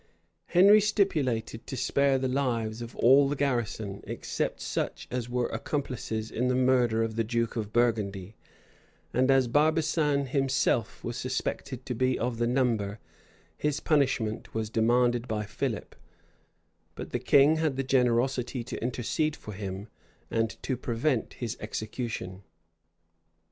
Henry stipulated to spare the lives of all the garrison, except such as were accomplices in the murder of the duke of Burgundy; and as Barbasan himself was suspected to be of the number, his punishment was demanded by Philip: but the king had the generosity to intercede for him, and to prevent his execution.